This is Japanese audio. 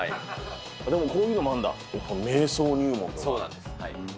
でもこういうのもあんだ、瞑想入門とか。